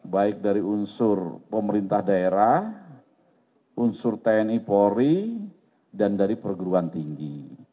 baik dari unsur pemerintah daerah unsur tni polri dan dari perguruan tinggi